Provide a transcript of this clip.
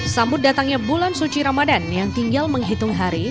sambut datangnya bulan suci ramadan yang tinggal menghitung hari